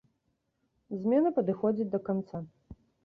Змена падыходзіла да канца.